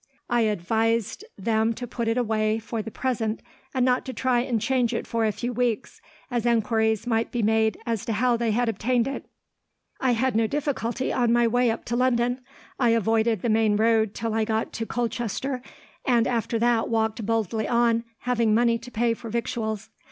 I advised them to put it away, for the present, and not to try and change it for a few weeks, as enquiries might be made as to how they had obtained it. "I had no difficulty on my way up to London. I avoided the main road till I got to Colchester, and after that walked boldly on, having money to pay for victuals.